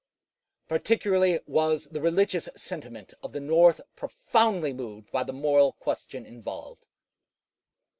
Particularly was the religious sentiment of the North profoundly moved by the moral question involved.